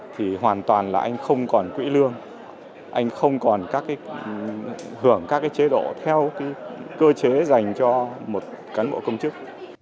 thì hoàn toàn là anh không còn quỹ lương anh không còn các cái hưởng các cái chế độ theo cơ chế dành cho một cán bộ công chức